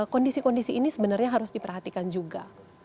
kondisi kondisi ini sebenarnya harus diperhatikan juga